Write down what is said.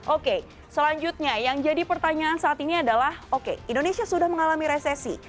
oke selanjutnya yang jadi pertanyaan saat ini adalah oke indonesia sudah mengalami resesi